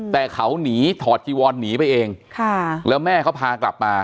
แต่เขาหนีถอดจีวอนหนีไปเองค่ะแล้วแม่เขาพากลับมา